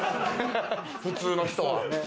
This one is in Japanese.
普通の人は。